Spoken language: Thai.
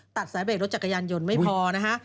ตัดสายเบรกรถจักรยานยนต์ไม่พอนะฮะ